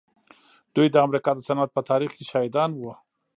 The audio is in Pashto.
دوی د امريکا د صنعت په تاريخ کې شاهدان وو.